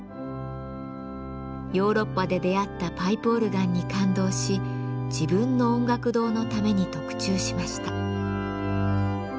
ヨーロッパで出会ったパイプオルガンに感動し自分の音楽堂のために特注しました。